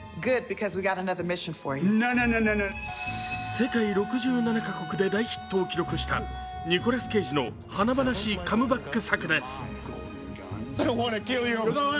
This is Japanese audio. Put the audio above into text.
世界６７か国で大ヒットを記録したニコラス・ケイジの華々しいカムバック作です。